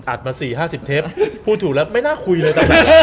อาจมา๔๕๐เทปพูดถูกแล้วไม่น่าคุยเลยต่อไป